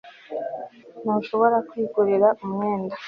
ntushobora kwigurira umwenda